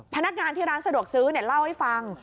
พนักงานที่ร้านสะดวกซื้อเล่าให้ฟัง